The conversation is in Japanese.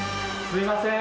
すいません。